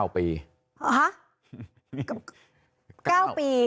๙ปี